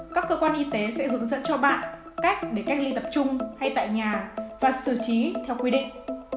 các cơ quan y tế sẽ hướng dẫn cho bạn cách để cách ly tập trung hay tại nhà và xử trí theo quy định